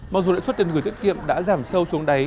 mặc dù lãi suất tiền gửi tiết kiệm đã giảm sâu xuống đáy